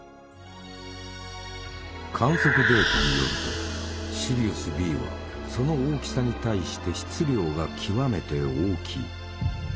観測データによるとシリウスＢはその大きさに対して質量が極めて大きい。